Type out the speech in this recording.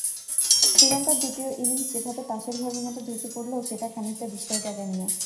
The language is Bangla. শ্রীলঙ্কার দ্বিতীয় ইনিংস যেভাবে তাসের ঘরের মতো ধসে পড়ল, সেটি খানিকটা বিস্ময়-জাগানিয়া।